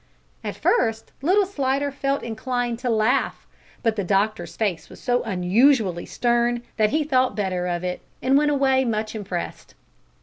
At first little Slidder felt inclined to laugh, but the doctor's face was so unusually stern that he thought better of it, and went away much impressed.